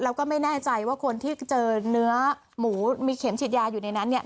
แล้วก็ไม่แน่ใจว่าคนที่เจอเนื้อหมูมีเข็มฉีดยาอยู่ในนั้นเนี่ย